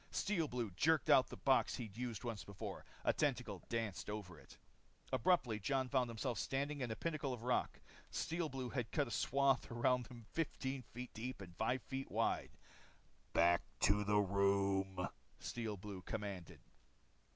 Steel Blue jerked out the box he'd used once before. A tentacle danced over it. Abruptly Jon found himself standing on a pinnacle of rock. Steel Blue had cut a swath around him 15 feet deep and five feet wide. "Back to the room," Steel Blue commanded.